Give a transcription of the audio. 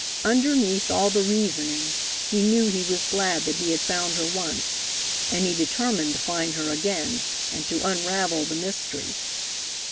Underneath all the reasoning, he knew he was glad that he had found her once, and he determined to find her again, and to unravel the mystery.